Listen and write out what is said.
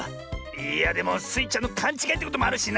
いやでもスイちゃんのかんちがいってこともあるしなあ。